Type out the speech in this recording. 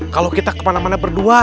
kalau kita kemana mana berdua